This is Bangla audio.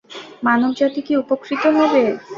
মানবজাতি কি উপকৃত হবে?